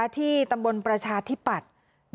ที่ตำบลประชาธิปัตย์